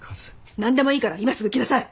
なんでもいいから今すぐ来なさい！